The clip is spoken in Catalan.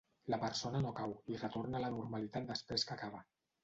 La persona no cau, i retorna a la normalitat després que acaba.